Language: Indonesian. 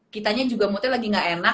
kitanya juga moodnya lagi gak enak